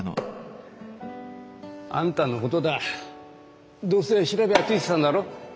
あんたのことだどうせ調べはついてたんだろ？